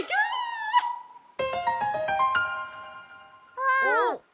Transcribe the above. あっ。